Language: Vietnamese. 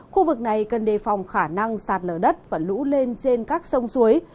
khu vực này cần đề phòng khả năng sạt lở đất và lũ lên trên các sông suối